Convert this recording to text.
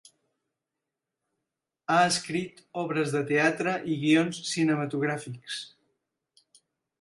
Ha escrit obres de teatre i guions cinematogràfics.